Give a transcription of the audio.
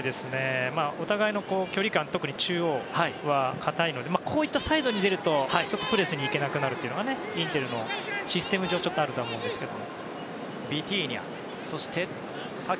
お互いの距離感、特に中央は堅いのでサイドに出るとプレスに行けなくなるというのがインテルのシステム上あるとは思うんですけど。